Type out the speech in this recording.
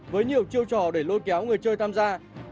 với nhiều chiêu trò để lôi kéo người chơi tham gia